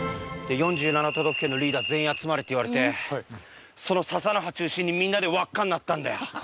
４７都道府県のリーダー全員集まれって言われてその笹の葉中心にみんなで輪っかになったんだよ。